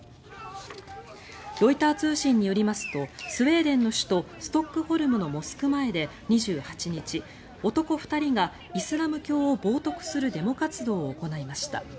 ロイター通信によりますとスウェーデンの首都ストックホルムのモスク前で２８日、男２人がイスラム教を冒とくするデモ活動を行いました。